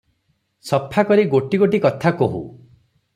ସଫା କରି ଗୋଟି ଗୋଟି କଥା କହୁ ।